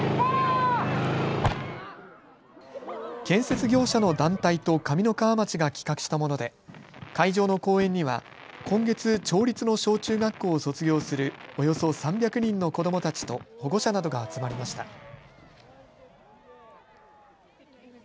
建設業者の団体と上三川町が企画したもので会場の公園には今月、町立の小中学校を卒業するおよそ３００人の子どもたちと保護者などが集まりました。